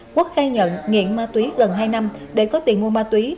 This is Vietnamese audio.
quốc khai nhận nghiện ma túy gần hai năm để có tiền mua ma túy